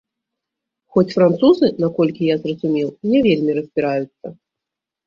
Хоць французы, наколькі я зразумеў, не вельмі разбіраюцца.